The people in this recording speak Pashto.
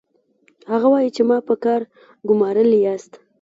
هغه وايي چې ما په کار ګومارلي یاست